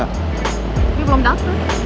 tapi belum datang